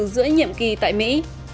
giữa nhiệm kỳ tại mỹ